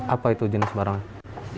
apa itu jenis barangnya